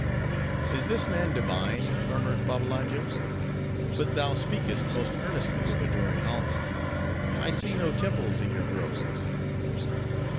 "Is this man divine?" murmured Babbalanja. "But thou speakest most earnestly of adoring Alma:—I see no temples in your groves."